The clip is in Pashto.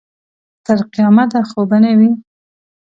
تر قیامته خو به نه وي.